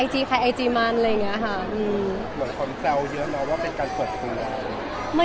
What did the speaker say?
ไอจีไอจีมันอะไรอย่างเงี้ยค่ะอืมเหมือนคนเจ้าเยอะแล้วว่าเป็นการเปิดตัว